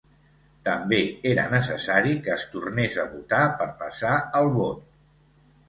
També era necessari que es tornés a votar per passar el vot.